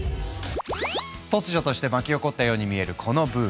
突如として巻き起こったように見えるこのブーム。